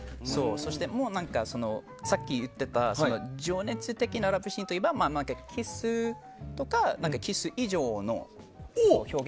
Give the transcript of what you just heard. そして、さっき言っていた情熱的なラブシーンといえばキスとか、キス以上の表現。